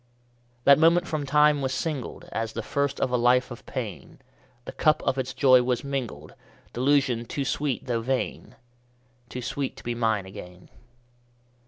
_10 3. That moment from time was singled As the first of a life of pain; The cup of its joy was mingled Delusion too sweet though vain! Too sweet to be mine again.